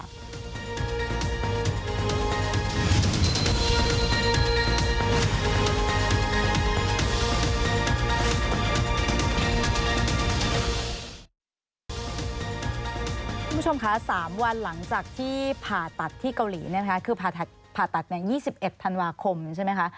คุณผู้ชมคะ๓วันหลังจากที่ผ่าตัดที่เกาหลีนะคะคือผ่าตัด๒๑ธันวาคมใช่ไหมคะ